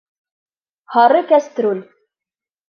Һары кәстрүл!